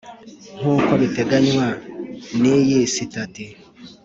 nkuko biteganywa n iyi Sitati